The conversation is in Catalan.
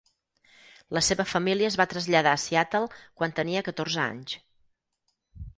La seva família es va traslladar a Seattle quan tenia catorze anys.